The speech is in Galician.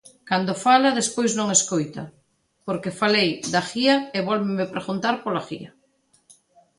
Cando fala, despois non escoita, porque falei da guía e vólveme preguntar pola guía.